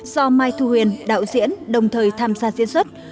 do mai thu huyền đạo diễn đồng thời tham gia diễn xuất